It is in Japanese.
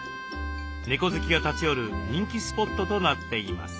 猫好きが立ち寄る人気スポットとなっています。